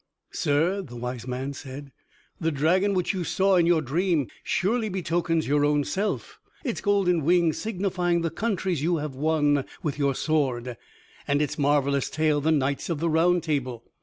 "Sir," the wise man said, "the dragon which you saw in your dream surely betokens your own self, its golden wings signifying the countries you have won with your sword, and its marvelous tail the knights of the Round Table.